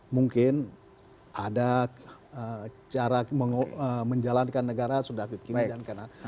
mungkin ada cara menjalankan negara sudah ke kiri dan kanan